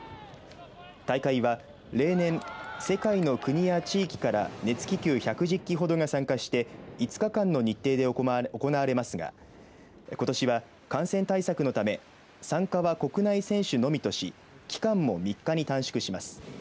大会は、例年世界の国や地域から熱気球１１０機ほどが参加して５日間の日程で行われますがことしは感染対策のため参加は国内選手のみとし期間も３日に短縮します。